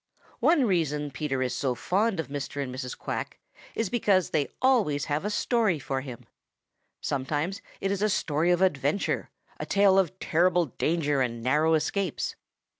One reason Peter is so fond of Mr. and Mrs. Quack is because they always have a story for him. Sometimes it is a story of adventure, a tale of terrible danger and narrow escapes.